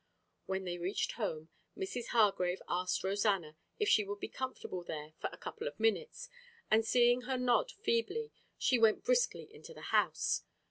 When they reached home, Mrs. Hargrave asked Rosanna if she could be comfortable there for a couple of minutes, and seeing her nod feebly, she went briskly into the house.